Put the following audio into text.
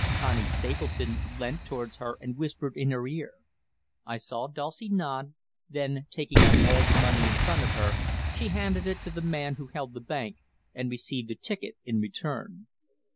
Connie Stapleton leant towards her and whispered in her ear. I saw Dulcie nod; then, taking up all the money in front of her, she handed it to the man who held the bank, and received a ticket in return.